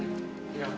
ya pak pak pak